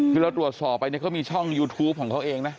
คือเราตรวจสอบไปเนี่ยเขามีช่องยูทูปของเขาเองนะ